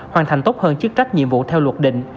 hoàn thành tốt hơn chức trách nhiệm vụ theo luật định